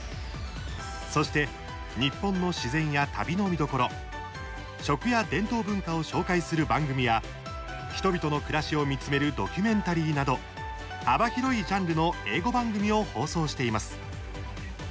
そして日本の自然や旅の見どころ食や伝統文化を紹介する番組や人々の暮らしを見つめるドキュメンタリーなど幅広いジャンルの英語番組を放送しています。